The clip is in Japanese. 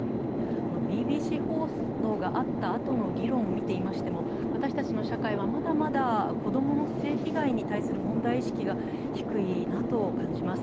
ＢＢＣ報道があったあとの議論を見てみてもまだまだ子供の性被害に対する問題意識が低いなと感じます。